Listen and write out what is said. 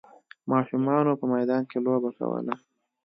ماشومانو په میدان کې لوبه کوله.